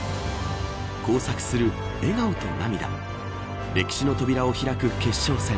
交錯する笑顔と涙歴史の扉を開く決勝戦